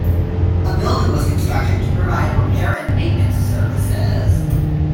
A building was constructed to provide repair and maintenance services.